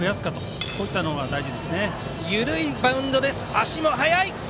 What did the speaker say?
足が速い！